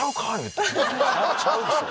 ちゃうでしょ。